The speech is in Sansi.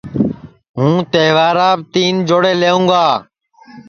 ہوں تہواراپ تین نئوے جوڑے لئوں گا